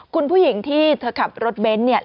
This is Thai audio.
คุณผู้หญิงที่เธอขับรถเบนท์เนี่ย